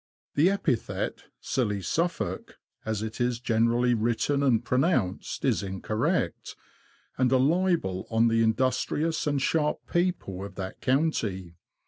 The epithet, '' Silly Suffolk,'' as it is generally written and pronounced, is incorrect, and a libel on the industrious and sharp people of that county.